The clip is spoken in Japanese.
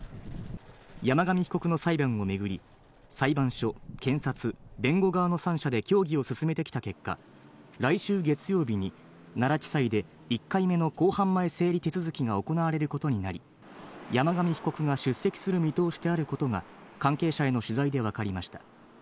山上被告の裁判を巡り、裁判所、検察、弁護側の３者で協議を進めてきた結果、来週月曜日に、奈良地裁で１回目の公判前整理手続きが行われることになり、山上被告が出席する見通しであることが、関係者への取材で分かりました。